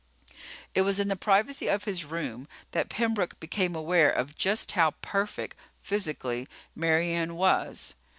It was in the privacy of his room that Pembroke became aware of just how perfect, physically, Mary Ann was.